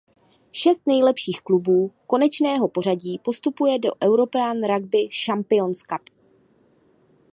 Šest nejlepších klubů konečného pořadí postupuje do European Rugby Champions Cup.